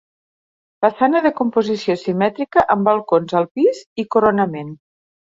Façana de composició simètrica amb balcons al pis i coronament.